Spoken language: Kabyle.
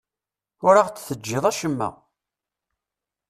Ur aɣ-d-teǧǧiḍ acemma.